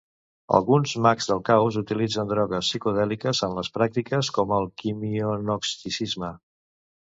Alguns mags del caos utilitzen drogues psicodèliques en les pràctiques com el quimiognosticisme.